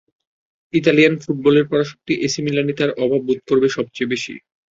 Italian ফুটবলের পরাশক্তি AC মিলানই তাঁর অভাব বোধ করবে সবচেয়ে বেশি।